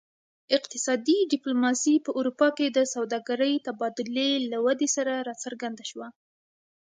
اقتصادي ډیپلوماسي په اروپا کې د سوداګرۍ تبادلې له ودې سره راڅرګنده شوه